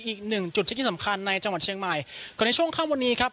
อีกหนึ่งจุดเช็คที่สำคัญในจังหวัดเชียงใหม่ก่อนในช่วงค่ำวันนี้ครับ